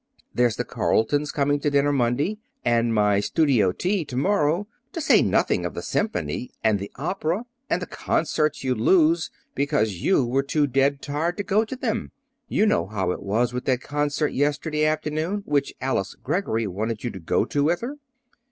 There's the Carletons coming to dinner Monday, and my studio Tea to morrow, to say nothing of the Symphony and the opera, and the concerts you'd lose because you were too dead tired to go to them. You know how it was with that concert yesterday afternoon which Alice Greggory wanted you to go to with her."